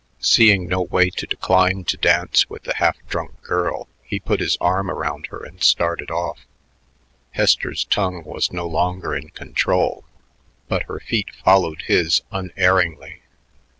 Seeing no way to decline to dance with the half drunk girl, he put his arm around her and started off. Hester's tongue was no longer in control, but her feet followed his unerringly.